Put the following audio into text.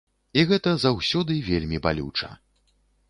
І гэта заўсёды вельмі балюча.